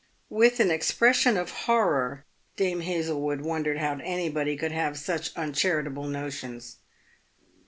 "With an expression of horror Dame Hazlewood wondered how anybody could have " such uncha ritable notions."